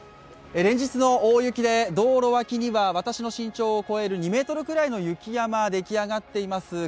連日の大雪で道路脇には私の身長を超える２ｍくらいの雪山が出来上がっています。